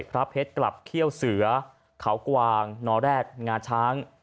พระเพชรกลับเขี้ยวเสือเขากวางนอแรดงาช้าง